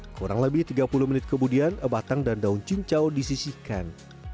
kurang lebih tiga puluh menit kemudian batang dan daun cincau disisihkan